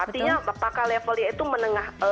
artinya apakah levelnya itu menengah